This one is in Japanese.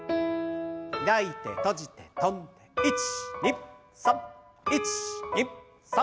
開いて閉じて跳んで１２３１２３。